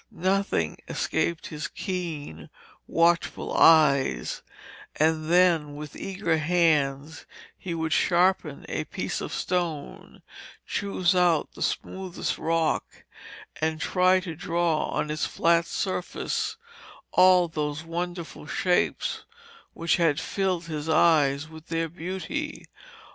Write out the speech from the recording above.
Nothing escaped his keen, watchful eyes, and then with eager hands he would sharpen a piece of stone, choose out the smoothest rock, and try to draw on its flat surface all those wonderful shapes which had filled his eyes with their beauty.